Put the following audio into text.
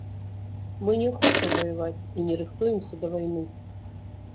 Мы не хочам ваяваць і не рыхтуемся да вайны.